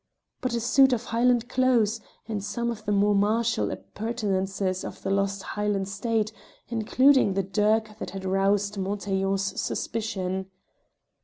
But a suit of Highland clothes, and some of the more martial appurtenances of the lost Highland state, including the dirk that had roused Montaiglon's suspicion!